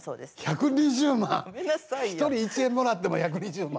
１人１円もらっても１２０万。